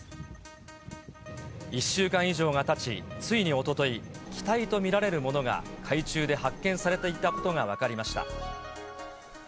１週間以上がたち、ついにおととい、機体と見られるものが海中で発見されていたことが分かりました。